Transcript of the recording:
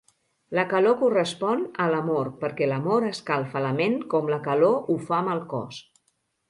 La calor correspon a l'amor perquè l'amor escalfa la ment com la calor ho fa amb el cos.